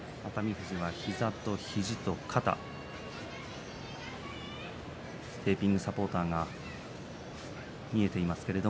富士は肘と膝と肩テーピングとサポーターをしています。